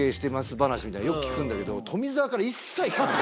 話みたいなのよく聞くんだけど。